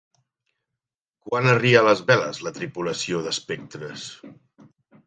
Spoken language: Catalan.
Quan arria les veles la tripulació d'espectres?